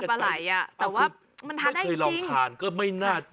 ปลาไหล่อ่ะแต่ว่ามันทานได้เคยลองทานก็ไม่น่าจะ